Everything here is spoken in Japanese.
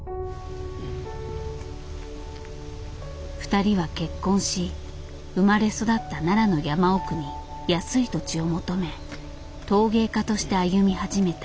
ふたりは結婚し生まれ育った奈良の山奥に安い土地を求め陶芸家として歩み始めた。